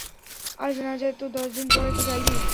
আজ না যায় তো দশদিন পরে তো যাইবে।